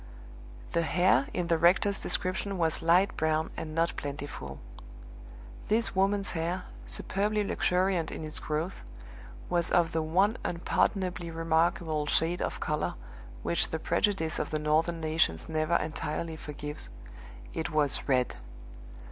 The hair in the rector's description was light brown and not plentiful. This woman's hair, superbly luxuriant in its growth, was of the one unpardonably remarkable shade of color which the prejudice of the Northern nations never entirely forgives it was red!